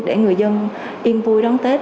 để người dân yên vui đón tết